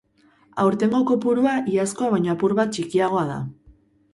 Aurtengo kopurua iazkoa baino apur bat txikiagoa da.